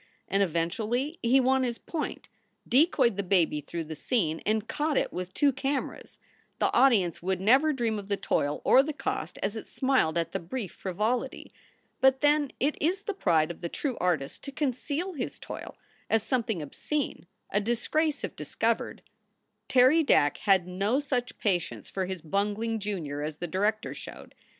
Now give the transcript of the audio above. And eventually he won his point, decoyed the baby through the scene, and caught it with two cameras. The audience would never dream of the toil or the cost as it smiled at the brief frivolity. But then it is the pride of the true artist to conceal his toil as something obscene, a disgrace if discovered. Terry Dack had no such patience for his bungling junior as the director showed.